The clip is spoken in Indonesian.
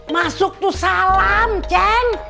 masuk tuh salam ceng